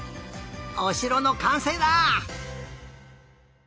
おしろのかんせいだ！